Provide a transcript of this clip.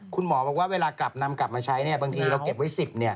คุณหมอบอกว่าเวลากลับนำกลับมาใช้บางทีเราเก็บไว้๑๐